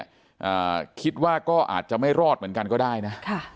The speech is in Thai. อ่าคิดว่าก็อาจจะไม่รอดเหมือนกันก็ได้นะค่ะ